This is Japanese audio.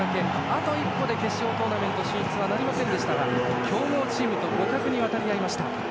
あと一歩で決勝トーナメント進出はなりませんでしたが強豪チームと互角に渡り合いました。